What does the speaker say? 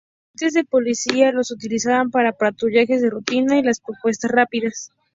Los agentes de policía los utilizan para patrullajes de rutina y las respuestas rápidas.